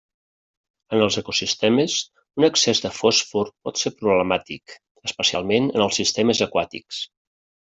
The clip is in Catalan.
En els ecosistemes, un excés de fòsfor pot ser problemàtic, especialment en els sistemes aquàtics.